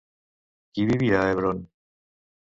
Qui vivia a Hebron?